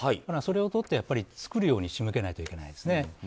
それをとって、作るように仕向けないといけないですね。